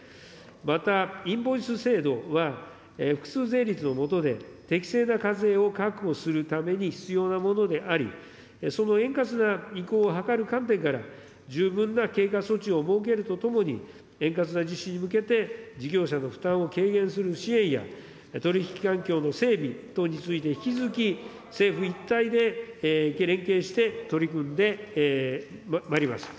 また、インボイス制度は、複数税率のもとで、適正な課税を確保するために必要なものであり、その円滑な移行を図る観点から、十分な経過措置を設けるとともに、円滑な実施に向けて、事業者の負担を軽減する支援や、取り引き環境の整備等について、引き続き政府一体で連携して取り組んでまいります。